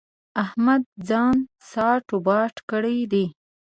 احمد ځان ساټ و باټ کړی دی.